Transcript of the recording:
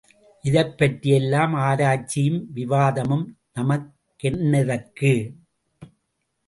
இதைப் பற்றியெல்லாம் ஆராய்ச்சியும் விவாதமும் நமக் கென்னத்திற்கு?.